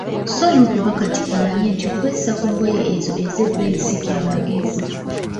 So n‘okuva kaakati kimanye nti okwessa ku ngoye ezo ezebbeeyi si kya magezi.